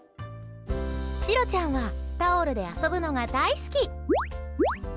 しろちゃんはタオルで遊ぶのが大好き！